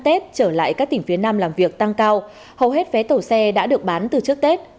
tết trở lại các tỉnh phía nam làm việc tăng cao hầu hết vé tàu xe đã được bán từ trước tết